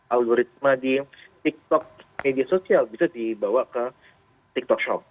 algoritma di tiktok media sosial bisa dibawa ke tiktok shop